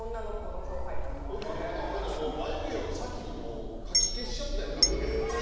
男の子の眉毛を先にかき消しちゃったんや髪の毛で。